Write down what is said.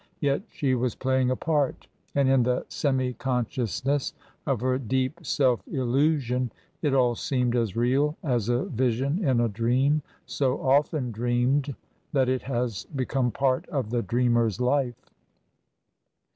Yet she was playing a part, and in the semi consciousness of her deep self illusion it all seemed as real as a vision in a dream so often dreamed that it has become part of the dreamer's life.